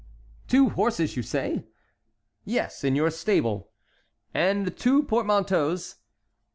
"Two horses, you say?" "Yes, in your stable." "And two portmanteaus?"